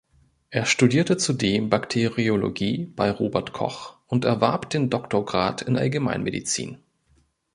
Er studierte zudem Bakteriologie bei Robert Koch und erwarb den Doktorgrad in Allgemeinmedizin.